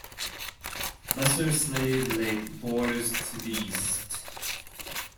Lesser Slave Lake borders to the east.